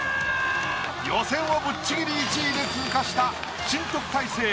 予選をぶっちぎり１位で通過した新特待生